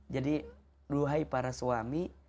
jadi ruhai para suami